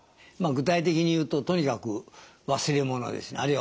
まあ具体的に言うととにかく忘れ物ですね。